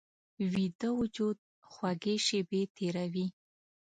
ویده وجود خوږې شیبې تېروي